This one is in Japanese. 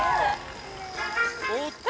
おっと？